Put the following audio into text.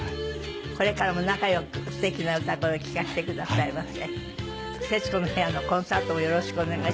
これからも仲良くすてきな歌声を聴かせてくださいませ。